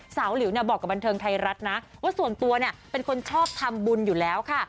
หลิวบอกกับบันเทิงไทยรัฐนะว่าส่วนตัวเป็นคนชอบทำบุญอยู่แล้วค่ะ